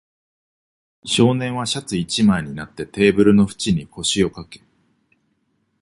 少年はシャツ一枚になって、テーブルの縁に腰をかけ、